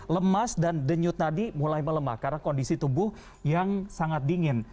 lemas dan denyut tadi mulai melemah karena kondisi tubuh yang sangat dingin